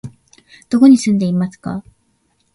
どこに住んでいますか？